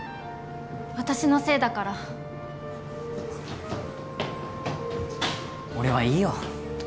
私のせいだから俺はいいよ